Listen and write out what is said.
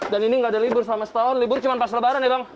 dan ini nggak ada libur selama setahun libur cuma pas lebaran ya bang